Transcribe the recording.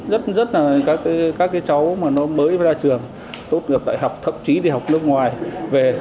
rất rất là các cái cháu mà nó mới ra trường tốt được đại học thậm chí đi học nước ngoài về